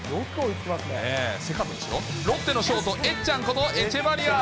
ロッテのショート、エッちゃんこと、エチェバリア。